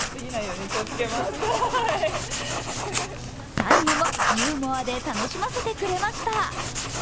最後も、ゆうもあで楽しませてくれました。